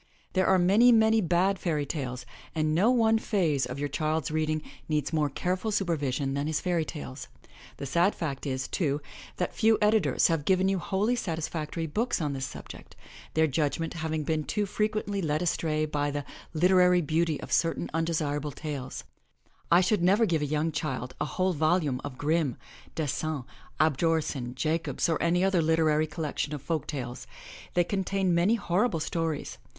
There are many, many bad fairy tales and no one phase of your child's reading needs more careful supervision than his fairy tales. The sad fact is, too, that few editors have given you wholly satis factory books on this subject, their judgment having been too fre quently led astray by theliterary beauty of certain undesirable tales. 207 MY BOOK HOUSE I should never give a young child a whole volume of Grimm, Dasent, Asbjornsen, Jacobs or any other literary collection of folk tales. They contain many horrible stories.